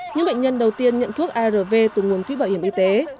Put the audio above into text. những bệnh nhân đầu tiên nhận thuốc arv từ nguồn quỹ bảo hiểm y tế